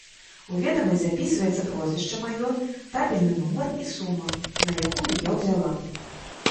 У ведамасць запісваецца прозвішча маё, табельны нумар і сума, на якую я ўзяла.